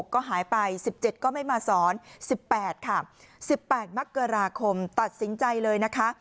ก็หายไป๑๗ก็ไม่มาสอน๑๘ค่ะ๑๘มกราคมตัดสินใจเลยนะคะ